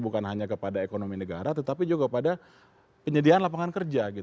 bukan hanya kepada ekonomi negara tetapi juga pada penyediaan lapangan kerja